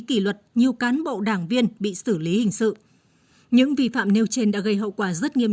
kỳ luật nhiều cán bộ đảng viên bị xử lý hình sự những vi phạm nêu trên đã gây hậu quả rất nghiêm